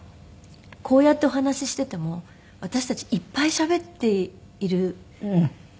こうやってお話をしていても私たちいっぱいしゃべっている。